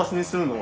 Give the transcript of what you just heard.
は